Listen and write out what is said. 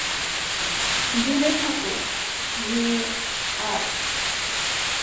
দূরে থাকো, মেয়ার!